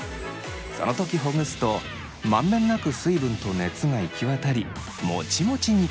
その時ほぐすと満遍なく水分と熱が行き渡りもちもちに。